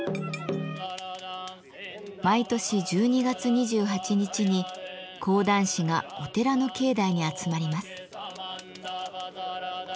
毎年１２月２８日に講談師がお寺の境内に集まります。